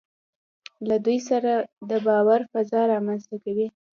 له دوی سره د باور فضا رامنځته کوي.